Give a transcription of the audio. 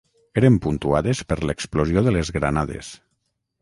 Eren puntuades per l'explosió de les granades